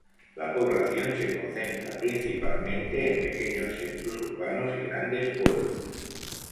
La población se concentra principalmente en pequeños centros urbanos y grandes pueblos.